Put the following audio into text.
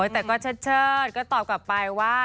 แต่ก็เชิดก็ตอบกลับไปว่า